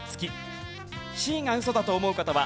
Ｃがウソだと思う方は＃